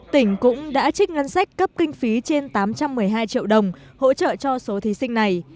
tỉnh cũng đã trích ngân sách cấp kinh phí trên tám trăm một mươi hai triệu đồng hỗ trợ cho số thí sinh này